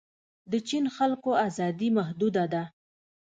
د چین خلکو ازادي محدوده ده.